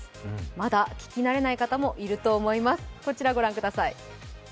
まだ聞き慣れない方もいると思います。